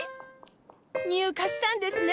入荷したんですね